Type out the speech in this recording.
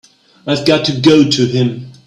I've got to go to him.